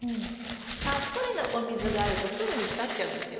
たっぷりのお水があるとすぐに腐っちゃうんですよ。